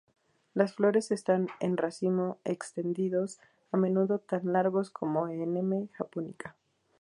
Las flores están en racimo extendidos, a menudo tan largos como en "M. japonica".